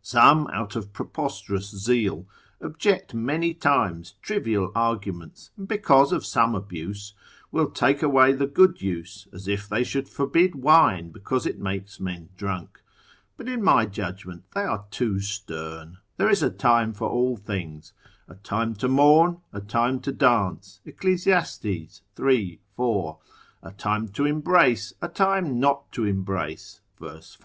Some out of preposterous zeal object many times trivial arguments, and because of some abuse, will quite take away the good use, as if they should forbid wine because it makes men drunk; but in my judgment they are too stern: there is a time for all things, a time to mourn, a time to dance, Eccles. iii. 4. a time to embrace, a time not to embrace, (verse 5.)